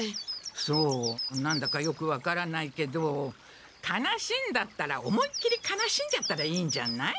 そう何だかよく分からないけど悲しいんだったら思いっきり悲しんじゃったらいいんじゃない？